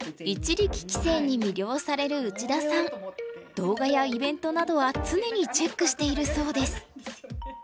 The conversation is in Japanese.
動画やイベントなどは常にチェックしているそうです。